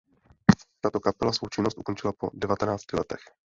Tato kapela svou činnost ukončila po devatenácti letech.